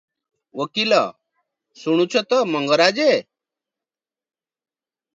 ଓକିଲ - "ଶୁଣୁଛ ତ ମଙ୍ଗରାଜେ!